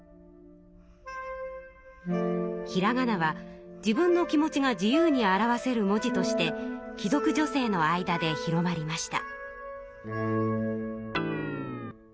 ひらがなは自分の気持ちが自由に表せる文字として貴族女性の間で広まりました。